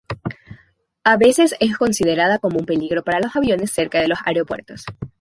A veces es considerada como un peligro para los aviones cerca de los aeropuertos.